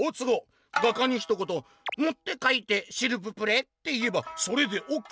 画家にひと言『盛って描いてシルブプレ！』って言えばそれでオッケー！」。